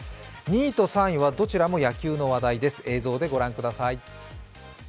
２位と３位はどちらも野球の話題です、映像で御覧ください。